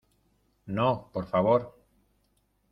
no, por favor.